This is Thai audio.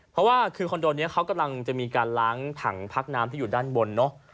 เพราะว่าคือคอนโดนี้เขากำลังจะมีการล้างถังพักน้ำที่อยู่ด้านบนเนอะ